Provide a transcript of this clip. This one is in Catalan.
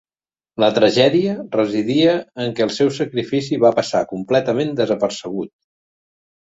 La tragèdia residia en que el seu sacrifici va passar completament desapercebut.